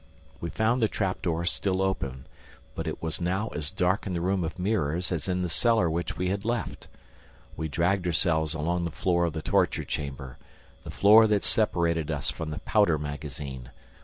We found the trap door still open, but it was now as dark in the room of mirrors as in the cellar which we had left. We dragged ourselves along the floor of the torture chamber, the floor that separated us from the powder magazine.